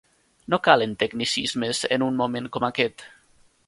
No calen tecnicismes en un moment com aquest.